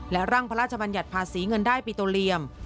และร่างพระราชบัญญัติภาษีเงินได้ปิโตเรียม